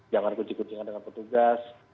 jangan kunci kuncinan dengan petugas